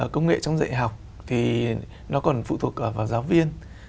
công nghệ trong dạy học thì nó còn phụ thuộc vào giáo viên